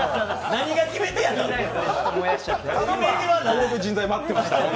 何が決め手やったん？